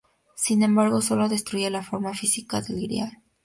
Sin embargo, sólo destruye la forma física del grial.